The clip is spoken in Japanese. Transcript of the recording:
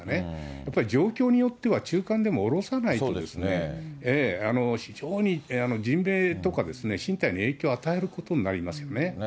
やっぱり状況によっては中間でも降ろさないと、非常に人命とか、身体に影響を与えることになりますよね。